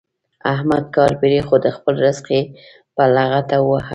احمد کار پرېښود؛ خپل زرق يې په لغته وواهه.